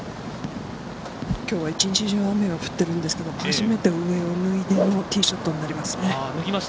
今日は一日中、雨が降っているんですけど、初めて上を脱いでのティーショットとなりますね。